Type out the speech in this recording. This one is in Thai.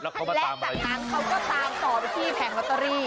และจากนั้นเขาก็ตามต่อไปที่แผงลอตเตอรี่